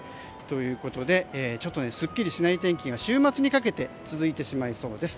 ということでちょっとすっきりしない天気が週末にかけて続いてしまいそうです。